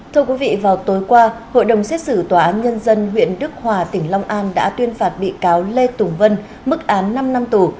thưa quý vị vào tối qua hội đồng xét xử tòa án nhân dân huyện đức hòa tỉnh long an đã tuyên phạt bị cáo lê tùng vân mức án năm năm tù